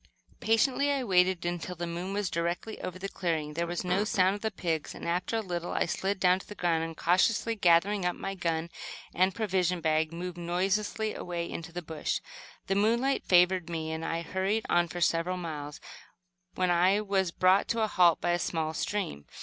Patiently I waited, until the moon was directly over the clearing. There was no sound of the pigs, and, after a little, I slid to the ground and, cautiously gathering up my gun and provision bag, moved noiselessly away into the bush. The moonlight favored me, and I hurried on for several miles, when I was brought to a halt by a small stream.